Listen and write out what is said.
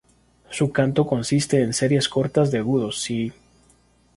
Su canto consiste en series cortas de agudos "sii".